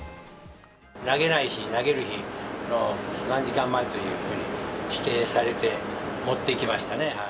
投げない日、投げる日の何時間前というふうに指定されて、持っていきましたね。